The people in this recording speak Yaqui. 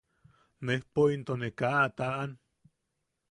Nejpo into ne kaa a taʼan.